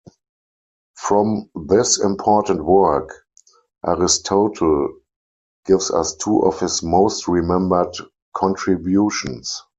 From this important work Aristotle gives us two of his most remembered contributions.